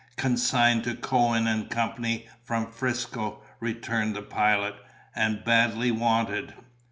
"Consigned to Cohen and Co., from 'Frisco," returned the pilot, "and badly wanted.